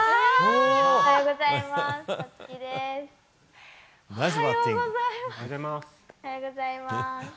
おはようございます。